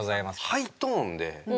ハイトーンで。